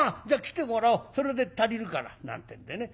それで足りるから」なんてんでね